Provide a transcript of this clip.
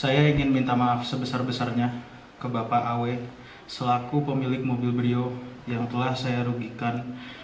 saya ingin minta maaf sebesar besarnya ke bapak aw selaku pemilik mobil brio yang telah saya rugikan